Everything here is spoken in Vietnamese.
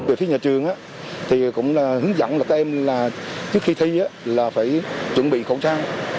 về thi nhà trường thì cũng hướng dẫn là các em trước khi thi là phải chuẩn bị khẩu trang